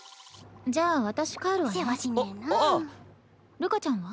るかちゃんは？